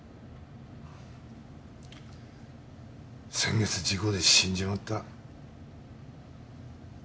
先月事故で死んじまった。